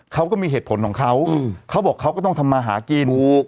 เขาก็มีเหตุผลของเขาเขาบอกเขาก็ต้องทำมาหากินถูก